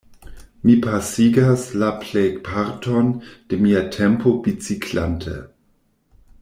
Mi pasigas la plejparton de mia tempo biciklante.